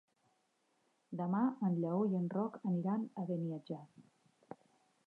Demà en Lleó i en Roc aniran a Beniatjar.